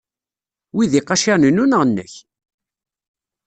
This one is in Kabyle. Wi d iqaciren-inu neɣ nnek?